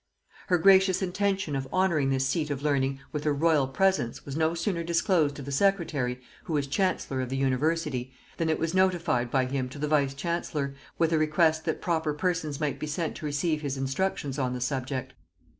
Her gracious intention of honoring this seat of learning with her royal presence was no sooner disclosed to the secretary, who was chancellor of the university, than it was notified by him to the vice chancellor, with a request that proper persons might be sent to receive his instructions on the subject.